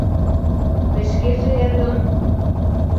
— Тый шкеже, эргым...